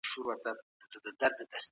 ایا تکړه پلورونکي وچه الوچه ساتي؟